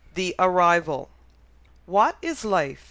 THE ARRIVAL. What is life?